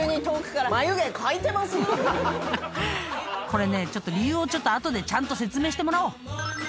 ［これね理由をちょっと後でちゃんと説明してもらおう］